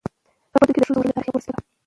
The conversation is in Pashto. په بدو کي د ښځو ورکول د تاریخ یوه توره څپه ده.